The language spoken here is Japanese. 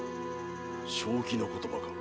正気の言葉か？